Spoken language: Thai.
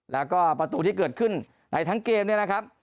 แล้วก็ประตูที่เกิดขึ้นในทั้งเกมเนี่ยนะครับ